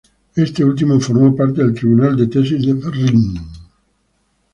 Este último formó parte del tribunal de tesis de Ferrín.